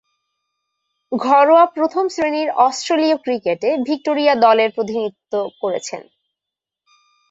ঘরোয়া প্রথম-শ্রেণীর অস্ট্রেলীয় ক্রিকেটে ভিক্টোরিয়া দলের প্রতিনিধিত্ব করেছেন।